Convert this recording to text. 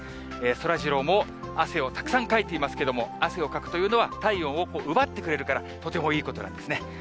そらジローも、汗をたくさんかいていますけれども、汗をかくというのは、体温を奪ってくれるから、とてもいいことなんですね。